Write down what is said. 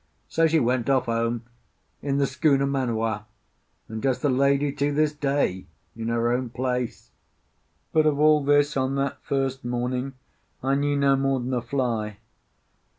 So she went off home in the schooner Manu'a, and does the lady to this day in her own place. But of all this on that first morning I knew no more than a fly.